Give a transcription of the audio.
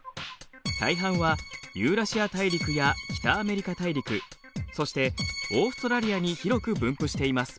大半はユーラシア大陸や北アメリカ大陸そしてオーストラリアに広く分布しています。